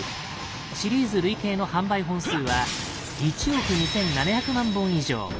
シリーズ累計の販売本数は１億２，７００万本以上。